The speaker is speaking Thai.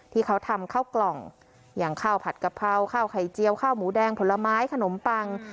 ที่เขาทำข้าวกล่องอย่างข้าวผัดกะเพราข้าวไข่เจียวข้าวหมูแดงผลไม้ขนมปัง